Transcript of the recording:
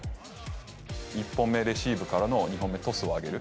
１本目レシーブからの、２本目トスを上げる。